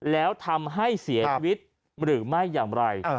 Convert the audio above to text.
แล้วทำให้เสียชีวิตหรือไม่อย่างไร